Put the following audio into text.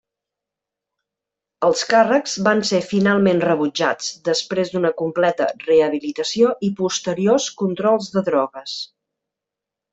Els càrrecs van ser finalment rebutjats després d'una completa rehabilitació i posteriors controls de drogues.